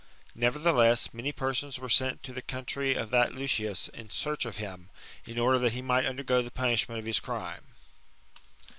Nevertheless, many persons were sent to the country of that Lucius in search of him, in order that he might] undergo the punishment of his crime."